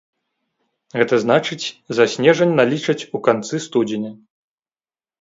Гэта значыць, за снежань налічаць у канцы студзеня.